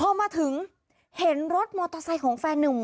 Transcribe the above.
พอมาถึงเห็นรถมอเตอร์ไซค์ของแฟนนุ่ม